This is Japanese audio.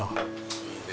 いいね。